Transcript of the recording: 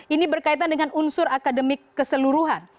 ini berkaitan dengan unsur akademik keseluruhan